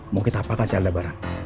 mau kita apakan si alda barat